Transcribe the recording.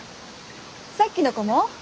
さっきの子も？